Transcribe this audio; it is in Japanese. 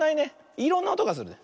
いろんなおとがするね。